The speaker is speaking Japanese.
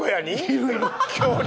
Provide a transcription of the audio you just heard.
恐竜？